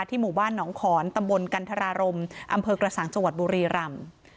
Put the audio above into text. หมู่บ้านหนองขอนตำบลกันทรารมอำเภอกระสังจังหวัดบุรีรำ